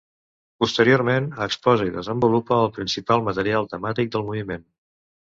Posteriorment, exposa i desenvolupa el principal material temàtic del moviment.